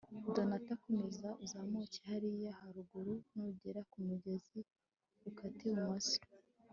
donata komeza uzamuke hariya haruguru, nugera ku mugezi, ukate ibumoso